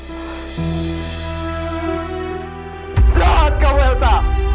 terlalu banyak kamu yosha